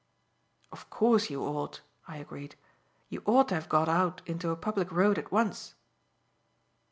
"Of course you ought," I agreed, "you ought to have got out into a public road at once."